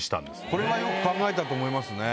これはよく考えたと思いますね。